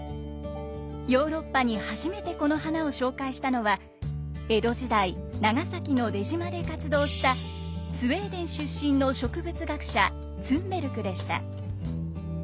ヨーロッパに初めてこの花を紹介したのは江戸時代長崎の出島で活動したスウェーデン出身の植物学者ツンベルクでした。